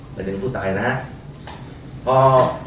เหมือนอย่างผู้ตายนะครับ